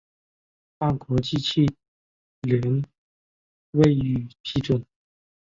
但国际汽联未予批准。